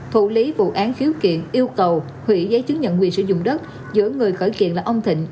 thủ lý vụ án khiếu kiện yêu cầu hủy giấy chứng nhận quyền sử dụng đất giữa người khởi kiện là ông thịnh